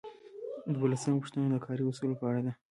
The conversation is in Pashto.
دولسمه پوښتنه د کاري اصولو په اړه ده.